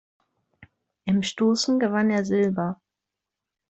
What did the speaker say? Im Stoßen gewann er Silber.